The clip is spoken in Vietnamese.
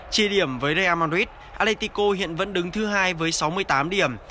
chia điểm với real madrid atletico hiện vẫn đứng thứ hai với sáu mươi tám điểm